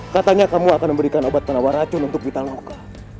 katanya kamu akan memberikan obat penawar racun untuk vitaloka